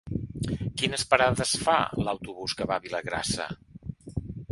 Quines parades fa l'autobús que va a Vilagrassa?